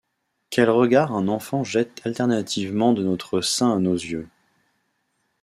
Quels regards un enfant jette alternativement de notre sein à nos yeux!